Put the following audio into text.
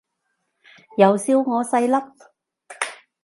又笑我細粒